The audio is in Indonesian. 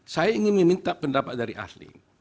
saya ingin meminta pendapat dari asli